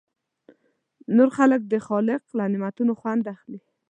نور خلک د خالق له نعمتونو خوند اخلي.